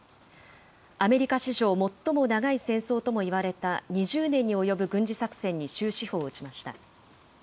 アメリカ史上、最も長い戦争ともいわれた２０年に及ぶ軍事作戦に終止符を打ちました。